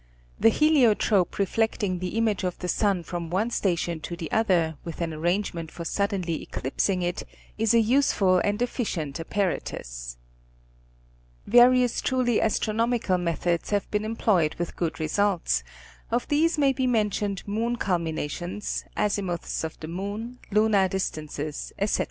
The heliotrope reflecting the image of the sun from one station to the other with an arrangement for suddenly eclipsing it, is a useful and efficient apparatus. Various truly astronomical methods have been employed with good results, of these may be mentioned moon culminations, azimuths of the moon, lunar distances, ete.